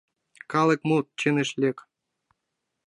Калык мут, чыныш лек!»